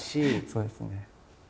そうですよね。